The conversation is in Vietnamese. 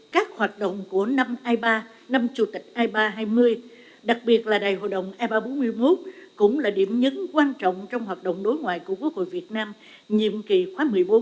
các hoạt động của năm ipa năm chủ tịch ipa hai mươi đặc biệt là đại hội đồng ipa bốn mươi một cũng là điểm nhấn quan trọng trong hoạt động đối ngoại của quốc hội việt nam nhiệm kỳ khóa một mươi bốn